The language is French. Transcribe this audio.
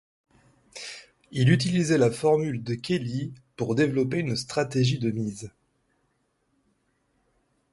Il utilisait la formule de Kelly pour développer une stratégie de mise.